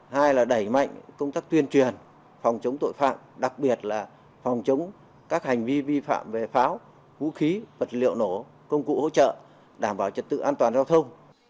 hai là đẩy mạnh công tác tuyên truyền phòng chống tội phạm đặc biệt là phòng chống các hành vi vi phạm về pháo vũ khí vật liệu nổ công cụ hỗ trợ đảm bảo trật tự an toàn giao thông